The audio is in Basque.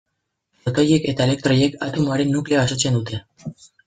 Protoiek eta elektroiek atomoaren nukleoa osatzen dute.